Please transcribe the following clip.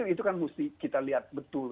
itu kan mesti kita lihat betul